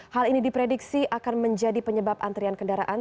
hal ini diprediksi akan menjadi penyebab antrian kendaraan